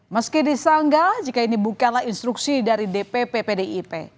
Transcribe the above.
meski disanggah jika ini bukanlah instruksi dari dpp pdip